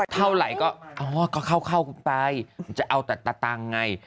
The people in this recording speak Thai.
เท่าไหร่ก็เข้าไปจะเอาแต่ต่างไง